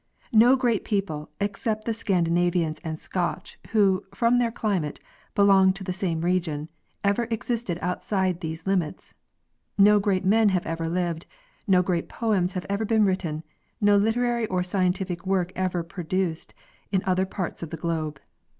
No great people, except the Scandinavians and Scotch, who, from their climate, belong to the same region, ever existed outside these limits; no great men have ever lived, no great poems have ever been written, no literary or scientific work ever produced, in other parts of the globe.